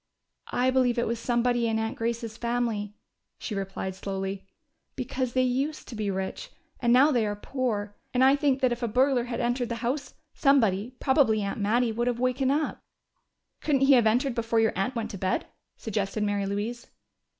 "I believe it was somebody in Aunt Grace's family," she replied slowly. "Because they used to be rich, and now they are poor. And I think that if a burglar had entered the house, somebody, probably Aunt Mattie, would have wakened up." "Couldn't he have entered before your aunt went to bed?" suggested Mary Louise.